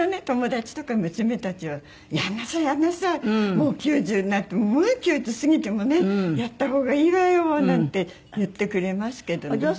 友達とか娘たちは「やんなさいやんなさい」「もう９０になっても９０過ぎてもねやった方がいいわよ」なんて言ってくれますけどね。